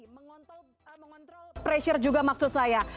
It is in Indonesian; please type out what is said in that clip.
mengontrol pressure juga maksud saya